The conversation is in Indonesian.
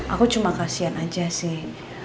aku cuma kasian aja sih